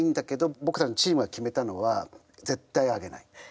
僕たちのチームが決めたのは絶対あげない。